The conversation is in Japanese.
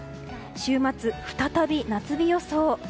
週末、再び夏日予想。